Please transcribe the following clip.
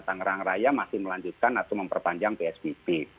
tangerang raya masih melanjutkan atau memperpanjang psbb